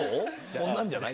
こんなんじゃない？